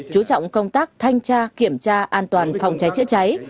chú trọng công tác thanh tra kiểm tra an toàn phòng cháy chữa cháy